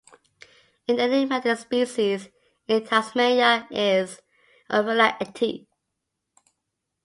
An enigmatic species in Tasmania is "Eophila eti".